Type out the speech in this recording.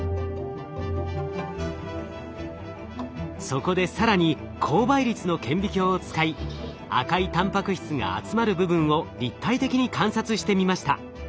そこで更に高倍率の顕微鏡を使い赤いたんぱく質が集まる部分を立体的に観察してみました。